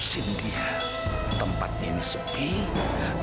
sebentar pak kisahnya sakit